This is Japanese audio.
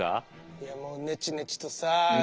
いやもうネチネチとさあ。